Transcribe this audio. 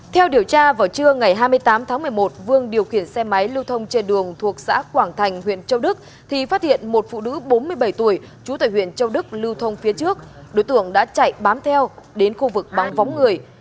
theo điều tra vào trưa ngày hai mươi tám tháng một mươi một vương điều khiển xe máy lưu thông trên đường thuộc xã quảng thành huyện châu đức thì phát hiện một phụ nữ bốn mươi bảy tuổi trú tại huyện châu đức lưu thông phía trước đối tượng đã chạy bám theo đến khu vực băng võng người